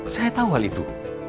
saya tahu hal itu